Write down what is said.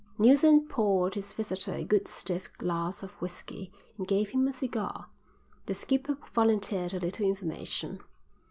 Neilson poured his visitor a good stiff glass of whisky and gave him a cigar. The skipper volunteered a little information.